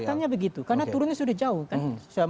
kelihatannya begitu karena turunnya sudah jauh kan